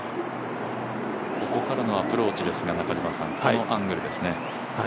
ここからのアプローチですが、このアングルですね。